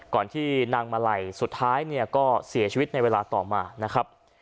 ที่นางมาลัยสุดท้ายเนี่ยก็เสียชีวิตในเวลาต่อมานะครับ